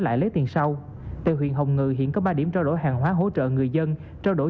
lại lấy tiền sau tại huyện hồng ngự hiện có ba điểm trao đổi hàng hóa hỗ trợ người dân trao đổi